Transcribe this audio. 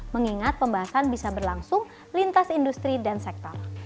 mengingat pembahasan bisa berlangsung lintas industri dan sektor